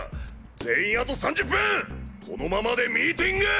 全員あと３０分このままでミーティング！